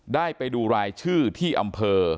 ได้ไปดูรายชื่อที่อำเภอ